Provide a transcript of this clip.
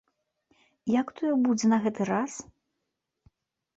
Як тое будзе на гэты раз?